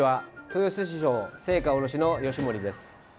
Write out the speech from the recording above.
豊洲市場青果卸の吉守です。